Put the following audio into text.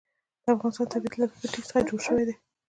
د افغانستان طبیعت له ښتې څخه جوړ شوی دی.